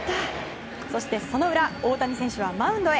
そしてその裏大谷選手はマウンドへ。